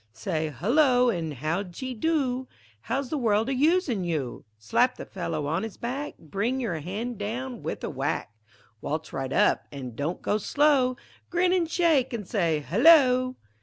Say "hullo," an' "how d'ye do!" "How's the world a usin' you?" Slap the fellow on his back, Bring your han' down with a whack; Waltz right up, an' don't go slow, Grin an' shake an' say "hullo!"